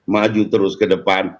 maju terus ke depan